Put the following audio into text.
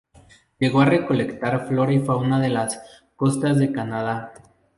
Llegó a recolectar flora y fauna de las costas de Canadá.